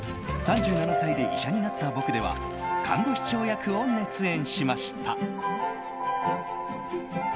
「３７歳で医者になった僕」では看護師長役を熱演しました。